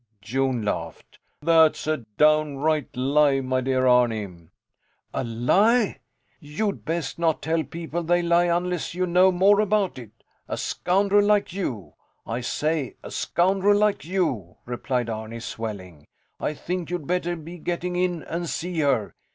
Jon laughed. That's a downright lie, my dear Arni. A lie! You'd best not tell people they lie unless you know more about it. A scoundrel like you, I say, a scoundrel like you! replied Arni, swelling. I think you'd better be getting in and see her.